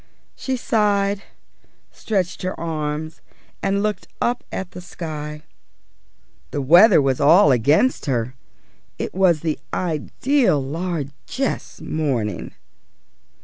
She sighed, stretched her arms, and looked up at the sky. The weather was all against her. It was the ideal largesse morning.